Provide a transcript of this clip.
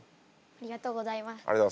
ありがとうございます。